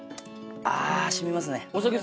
あぁ染みますね。